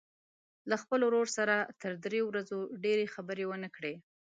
له خپل ورور سره تر درې ورځو ډېرې خبرې ونه کړي.